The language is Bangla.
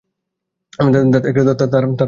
তারা বললেন তবুও না।